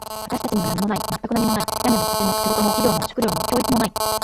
私たちには何もない。全く何もない。屋根も、土地も、仕事も、医療も、食料も、教育もない。